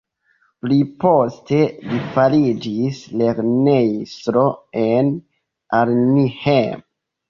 Pliposte li fariĝis lernejestro en Arnhem.